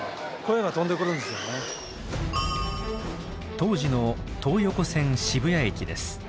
当時の東横線渋谷駅です。